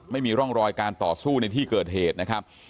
ไม่มีร่องรอยการต่อสู้ในที่เกิดเหตุนะครับ